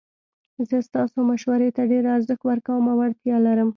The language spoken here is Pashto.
زه ستاسو مشورې ته ډیر ارزښت ورکوم او اړتیا لرم